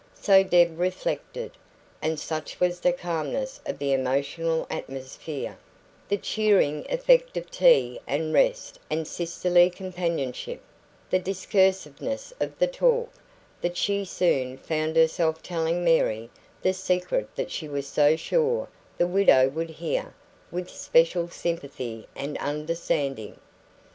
So Deb reflected; and such was the calmness of the emotional atmosphere, the cheering effect of tea and rest and sisterly companionship, the discursiveness of the talk, that she soon found herself telling Mary the secret that she was so sure the widow would hear with special sympathy and understanding.